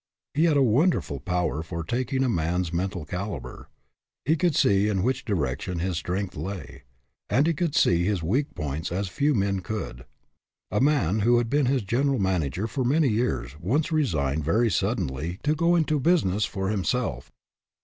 He had a wonderful power for taking a man's mental caliber. He could see in which direction his strength lay, and he could see his weak points as few men could. A man who had been his general manager for many years, once resigned very suddenly to go into business for himself.